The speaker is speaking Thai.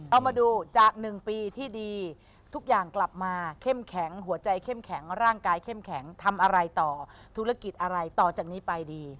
เอามาดูจาก๑ปีที่ดีทุกอย่างกลับมาเข้มแข็งหัวใจเข้มแข็งร่างกายเข้มแข็งทำอะไรต่อธุรกิจอะไรต่อจากนี้ไปดี